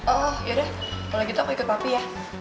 oh ya udah boleh gitu aku ikut papi ya